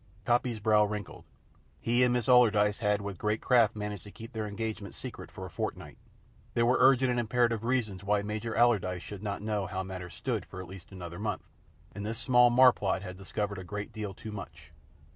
Coppy's brow wrinkled. He and Miss Allardyce had with great craft managed to keep their engagement secret for a fortnight. There were urgent and imperative reasons why Major Allardyce should not know how matters stood for at least another month, and this small marplot had discovered a great deal too much.